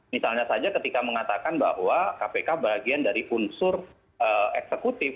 misalnya saja ketika mengatakan bahwa kpk bagian dari unsur eksekutif